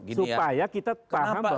supaya kita paham bahwa